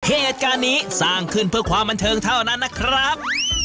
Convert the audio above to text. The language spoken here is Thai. เหตุการณ์นี้สร้างขึ้นเพื่อความบันเทิงเท่านั้นนะครับ